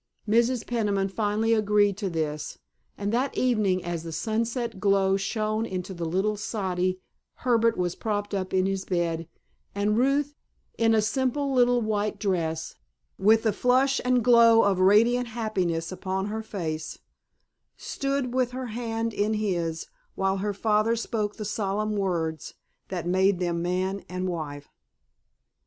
Mrs. Peniman finally agreed to this, and that evening as the sunset glow shone into the little soddy Herbert was propped up in his bed, and Ruth, in a simple little white dress, with the flush and glow of radiant happiness upon her face, stood with her hand in his while her father spoke the solemn words that made them man and wife.